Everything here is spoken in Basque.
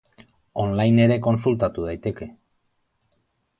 Online ere kontsultatu daiteke.